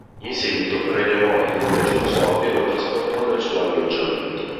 In seguito prelevò il nuovo giroscopio e lo trasportò nel suo alloggiamento.